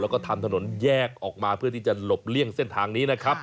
แล้วก็ทำถนนแยกออกมาเพื่อที่จะหลบเลี่ยงเส้นทางนี้นะครับ